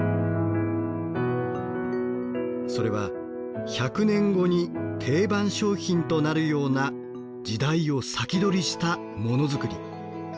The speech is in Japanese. それは１００年後に定番商品となるような時代を先取りしたモノ作り。